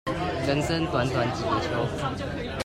人生短短幾個秋